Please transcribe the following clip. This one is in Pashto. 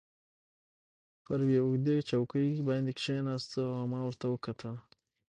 پر یوې اوږدې چوکۍ باندې کښېناستو او ما ورته وکتل.